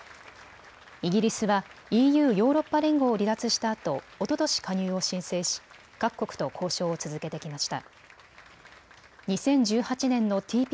イギリスはＥＵ・ヨーロッパ連合を離脱したあと、おととし加入を申請し各国と交渉を続けてきました。